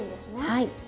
はい。